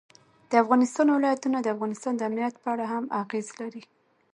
د افغانستان ولايتونه د افغانستان د امنیت په اړه هم اغېز لري.